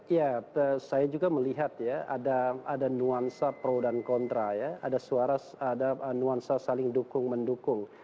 ya saya juga melihat ya ada nuansa pro dan kontra ya ada suara ada nuansa saling dukung mendukung